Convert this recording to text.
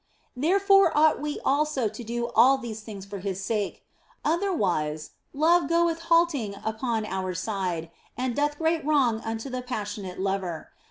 Therefore ought we also to do all these things for His OF FOLIGNO 139 sake ; otherwise love goeth halting upon our side, and doth great wrong unto that passionate Lover.